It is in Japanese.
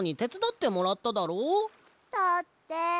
だって。